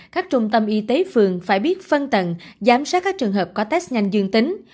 các trung tâm y tế phường phải biết phân tầng giám sát các trường hợp có test nhanh dương tính